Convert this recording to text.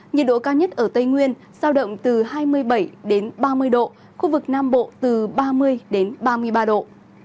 nhiệt độ cao nhất ở tây nguyên sao động từ hai mươi bảy đến ba mươi độ khu vực nam bộ từ ba mươi đến ba mươi ba độ